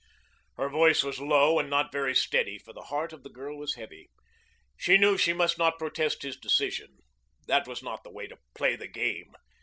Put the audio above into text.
Her voice was low and not very steady, for the heart of the girl was heavy. She knew she must not protest his decision. That was not the way to play the game.